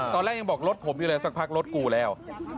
ตอนแรกยังบอกรถผมอยู่เลยสักพักรถกูแล้ว